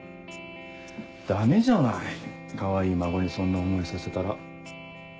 ダメじゃないかわいい孫にそんな思いさせたら。